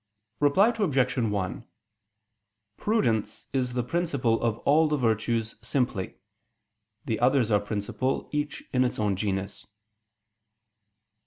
Reply Obj. 1: Prudence is the principal of all the virtues simply. The others are principal, each in its own genus.